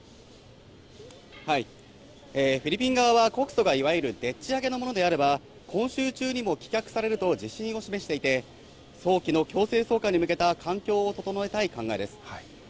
フィリピン側は、告訴がいわゆるでっちあげのものであれば、今週中にも棄却されると自信を示していて、早期の強制送還に向けた環境を整えたい考えです。